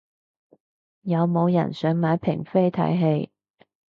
有冇人想買平飛睇戲